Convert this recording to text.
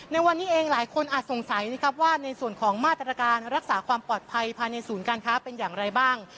ในวันนี้เองหลายคนอาจสงสัยนะครับว่าในส่วนของมาตรการรักษาความปลอดภัยภายในศูนย์การค้าเป็นอย่างไรบ้าง